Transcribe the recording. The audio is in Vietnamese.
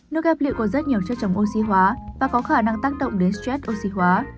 nước gap liệu có rất nhiều chất chống oxy hóa và có khả năng tác động đến stress oxy hóa